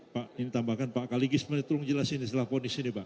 pak kaligis tolong jelasin setelah vonis ini pak